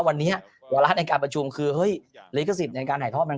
วันนี้เวลาในการประชุมคือเฮ้ยเลกศิษฐ์ในการหายทอดบิน